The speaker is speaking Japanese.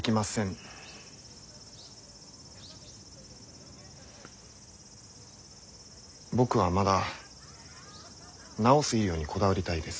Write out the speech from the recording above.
僕はまだ治す医療にこだわりたいです。